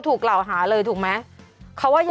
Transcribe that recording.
คุณติเล่าเรื่องนี้ให้ฮะ